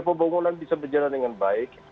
pembangunan bisa berjalan dengan baik